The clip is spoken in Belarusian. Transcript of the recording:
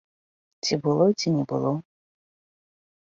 Ці было, ці не было.